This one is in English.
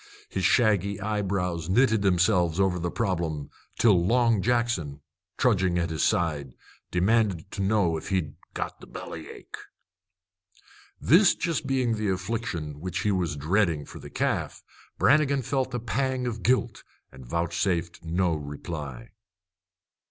His shaggy eyebrows knitted themselves over the problem till Long Jackson, trudging at his side, demanded to know if he'd "got the bellyache." This being just the affliction which he was dreading for the calf, Brannigan felt a pang of guilt and vouchsafed no reply.